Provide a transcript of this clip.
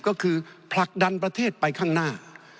ก็คือผลักดันประเทศไปข้างหน้า